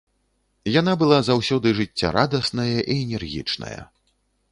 Яна была заўсёды жыццярадасная і энергічная.